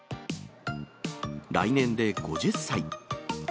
来年で５０歳。